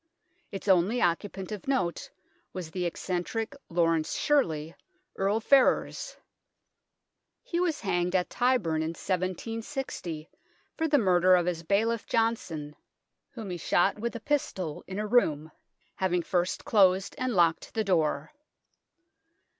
Its only occupant of note was the eccentric Laurence Shirley, Earl Ferrers. He was hanged at Tyburn in 1760 for the murder of his bailiff Johnson, whom he shot ENTRANCE TOWERS 143 with a pistol in a room, having first closed and locked the door.